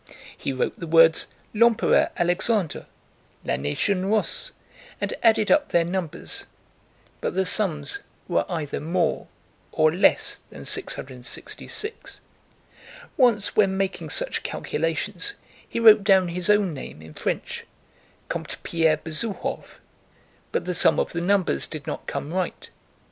He wrote the words L'Empereur Alexandre, La nation russe and added up their numbers, but the sums were either more or less than 666. Once when making such calculations he wrote down his own name in French, Comte Pierre Besouhoff, but the sum of the numbers did not come right.